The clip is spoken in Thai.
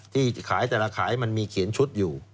ที่ขายแต่ละขายมันมีเขียนชุดอยู่